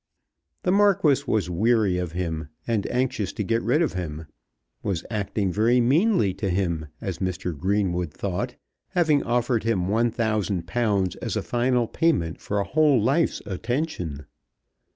The Marquis was weary of him, and anxious to get rid of him, was acting very meanly to him, as Mr. Greenwood thought, having offered him £1000 as a final payment for a whole life's attention.